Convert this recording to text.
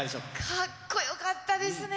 かっこよかったですね。